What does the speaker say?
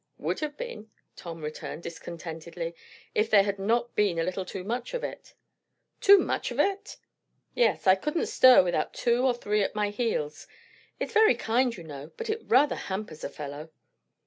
"Would have been," Tom returned discontentedly, "if there had not been a little too much of it." "Too much of it!" "Yes. I couldn't stir without two or three at my heels. It's very kind, you know; but it rather hampers a fellow."